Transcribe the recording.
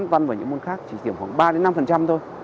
môn văn và những môn khác chỉ tìm khoảng ba năm thôi